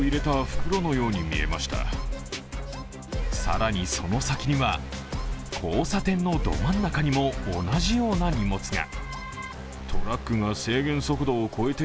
更にその先には、交差点のど真ん中にも同じような荷物が。